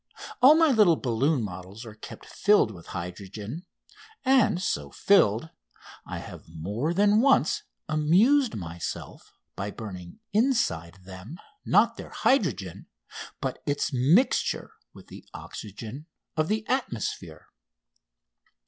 All my little balloon models are kept filled with hydrogen, and, so filled, I have more than once amused myself by burning inside them, not their hydrogen, but its mixture with the oxygen of the atmosphere.